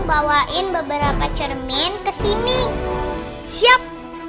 bawain beberapa cermin kesini siap